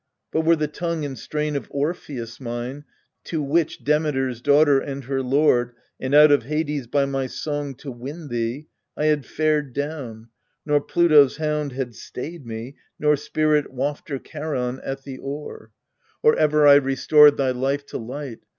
But, were the tongue and strain of Orpheus mine, To witch Demeter's daughter and her lord, And out of Hades by my song to win thee, I had fared clown: nor Pluto's hound had stayed me, Nor spirit wafter Charon at the oar, ALCESTIS 211 Or ever I restored thy life to light.